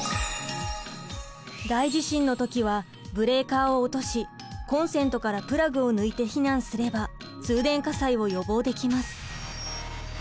大地震の時はブレーカーを落としコンセントからプラグを抜いて避難すれば通電火災を予防できます。